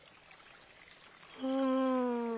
うん。